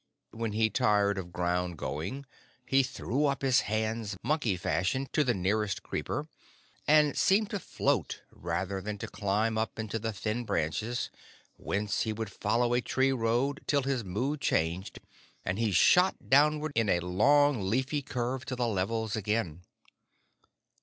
When he tired of ground going he threw up his hands monkey fashion to the nearest creeper, and seemed to float rather than to climb up into the thin branches, whence he would follow a tree road till his mood changed, and he shot downward in a long, leafy curve to the levels again.